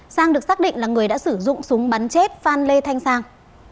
sang được xác định là người đã sử dụng súng bắn chết phan lê thanh sang